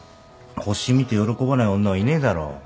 星見て喜ばない女はいねえだろ。